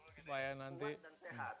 supaya nanti kuat dan sehat